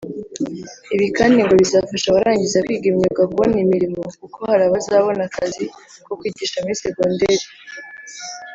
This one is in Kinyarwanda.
Ibi kandi ngo bizafasha abarangiza kwiga imyuga kubona imirimo kuko hari abazabona akazi ko kwigisha muri segonderi